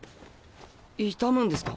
痛むんですか？